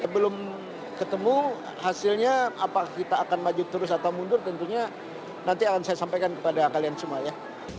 belum ketemu hasilnya apakah kita akan maju terus atau mundur tentunya nanti akan saya sampaikan kepada kalian semua ya